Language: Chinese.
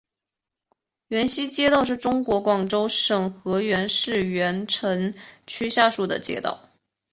源西街道是中国广东省河源市源城区下辖的一个街道。